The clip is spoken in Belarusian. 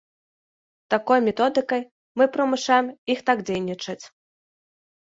Такой методыкай мы прымушаем іх так дзейнічаць.